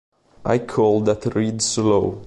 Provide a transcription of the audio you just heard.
I call that Reed's Law.